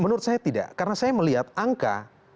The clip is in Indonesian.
menurut saya tidak karena saya melihat angka